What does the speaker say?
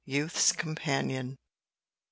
Youth's Companion.